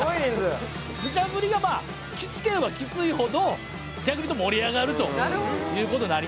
ムチャぶりがきつければきついほど逆に言うと盛り上がるということになりますので。